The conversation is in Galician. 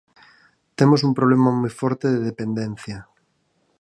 Temos un problema moi forte de dependencia.